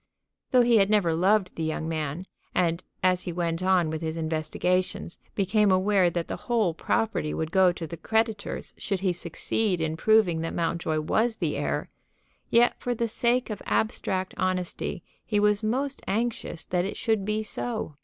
Though he had never loved the young man, and, as he went on with his investigations, became aware that the whole property would go to the creditors should he succeed in proving that Mountjoy was the heir, yet for the sake of abstract honesty he was most anxious that it should be so.